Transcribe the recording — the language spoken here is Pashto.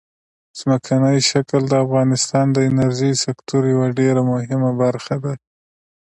ځمکنی شکل د افغانستان د انرژۍ سکتور یوه ډېره مهمه برخه ده.